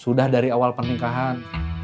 sudah dari awal pernikahan